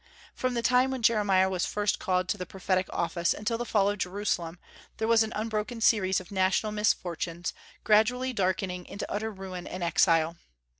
From the time when Jeremiah was first called to the prophetic office until the fall of Jerusalem there was an unbroken series of national misfortunes, gradually darkening into utter ruin and exile.